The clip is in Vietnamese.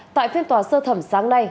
tại phim tòa sơ thẩm sáng nay